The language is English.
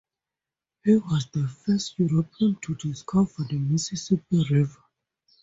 He was the first European to discover the Mississippi River.